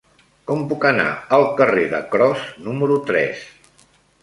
Com puc anar al carrer de Cros número tres?